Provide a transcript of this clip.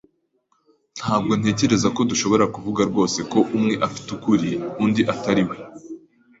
Ntabwo ntekereza ko dushobora kuvuga rwose ko umwe afite ukuri undi atari we.